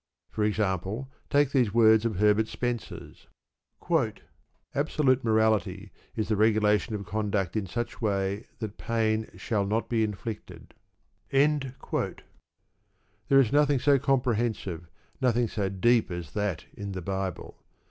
For example, take these words of Herbert Spencer's: Absolute morality is the regulation of conduct in such way that pain shall not be inflicted. There is nothing so comprehensive, nothing so deep as that in the Bible.